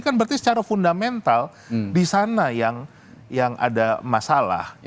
kan berarti secara fundamental di sana yang ada masalah